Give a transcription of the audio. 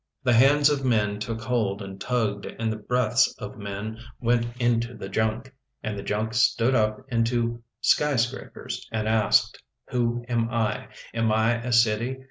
The hands of men took hold and tugged And the breaths of men went into the junk And the junk stood up into skyscrapers and asked: Who am I? Am I a city?